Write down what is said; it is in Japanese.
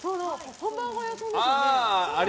ハンバーガー屋さんですよね。